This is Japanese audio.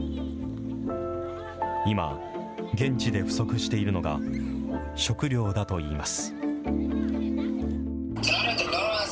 今、現地で不足しているのが、食料だといいます。